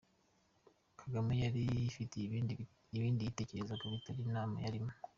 Kagame yari yifitiye ibindi yitekerereza bitari inama yarimo